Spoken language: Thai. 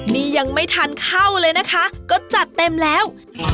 นี่ยังไม่ทันเข้าเลยนะคะก็จัดเต็มแล้ว